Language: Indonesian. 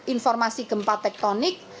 informasi gempa tektonik